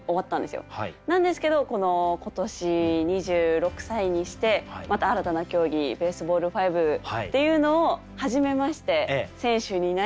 なんですけど今年２６歳にしてまた新たな競技Ｂａｓｅｂａｌｌ５っていうのを始めまして選手になり